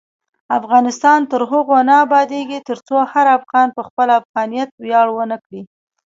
افغانستان تر هغو نه ابادیږي، ترڅو هر افغان په خپل افغانیت ویاړ ونه کړي.